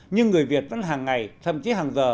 nhưng người việt vẫn hàng ngày thậm chí hàng giờ